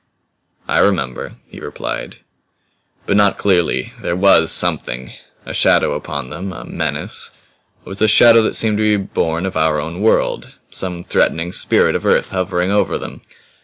"I remember," he replied, "but not clearly. There WAS something a shadow upon them, a menace. It was a shadow that seemed to be born of our own world some threatening spirit of earth hovering over them.